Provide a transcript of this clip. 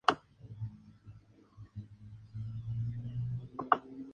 Un importante uso de las históricas torres era actuar como campanario de una iglesia.